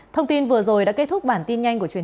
thông tin vừa rồi đã kết thúc